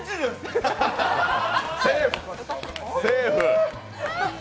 セーフ。